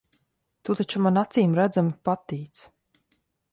Tu taču man acīmredzami patīc.